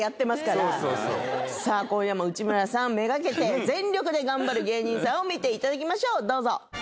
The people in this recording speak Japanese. さぁ今夜も内村さんめがけて全力で頑張る芸人さんを見ていただきましょうどうぞ。